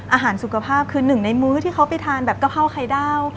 อาหารสุขภาพคือหนึ่งในมื้อที่เขาไปทานแบบกะเพราไข่ดาว